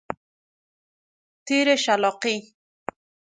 تیر شلاقی